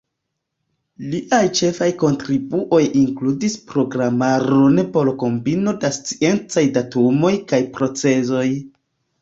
Liaj ĉefaj kontribuoj inkludis programaron por kombino de sciencaj datumoj kaj procezoj.